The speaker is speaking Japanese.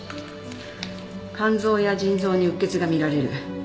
肝臓や腎臓に鬱血が見られる。